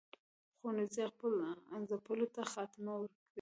خونړي ځپلو ته خاتمه ورکړي.